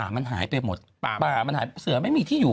มีแรง่อยู่